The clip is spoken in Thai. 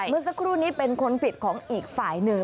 เมื่อสักครู่นี้เป็นคนผิดของอีกฝ่ายหนึ่ง